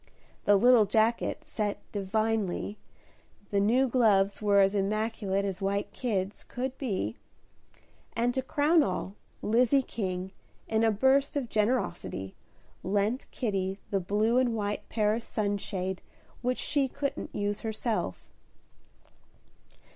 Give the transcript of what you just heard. The little jacket set "divinely," the new gloves were as immaculate as white kids could be, and to crown all, Lizzie King, in a burst of generosity, lent Kitty the blue and white Paris sunshade which she couldn't use herself.